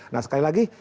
nah sekali lagi